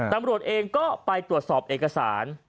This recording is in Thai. ตำรวจเองก็ไปตรวจสอบเอกสาร